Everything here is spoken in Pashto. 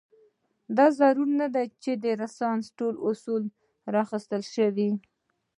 دا ضرور نه ده چې د رنسانس ټول اصول راواخیستل شي.